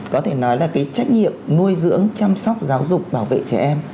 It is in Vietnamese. có thể nói là cái trách nhiệm nuôi dưỡng chăm sóc giáo dục bảo vệ trẻ em